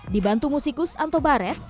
dibantu musikus anto barret